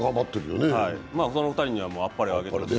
その２人にはあっぱれをあげてください。